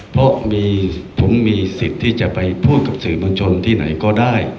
เพราะผมมีสิทธิ์ที่จะไปพูดกับสื่อมวลชนที่ไหนก็ได้